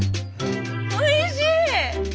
おいしい！